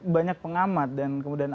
banyak pengamat dan kemudian